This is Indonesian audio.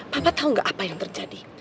papa tau gak apa yang terjadi